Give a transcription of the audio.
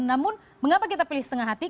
namun mengapa kita pilih setengah hati